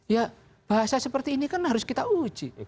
ya bahasa seperti ini kan harus kita uji